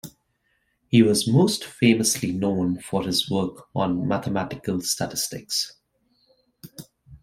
He was most famously known for his work on mathematical statistics.